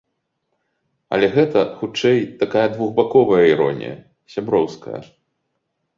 Але гэта, хутчэй, такая двухбаковая іронія, сяброўская.